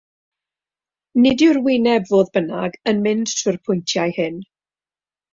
Nid yw'r wyneb, fodd bynnag, yn mynd trwy'r pwyntiau hyn.